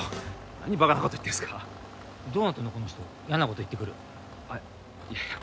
何バカなこと言ってんですかどうなってんのこの人やなこと言ってくるあっいやいや